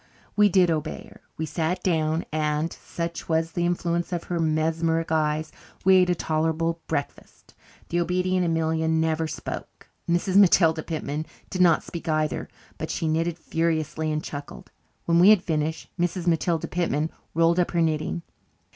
We did obey her. We sat down and, such was the influence of her mesmeric eyes, we ate a tolerable breakfast. The obedient Amelia never spoke; Mrs. Matilda Pitman did not speak either, but she knitted furiously and chuckled. When we had finished Mrs. Matilda Pitman rolled up her knitting.